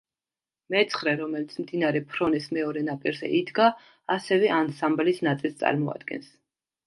მეცხრე, რომელიც მდინარე ფრონეს მეორე ნაპირზე იდგა ასევე ანსამბლის ნაწილს წარმოადგენს.